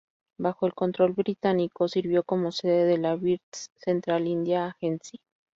Bajo el control británico, sirvió como sede de la British Central India Agency.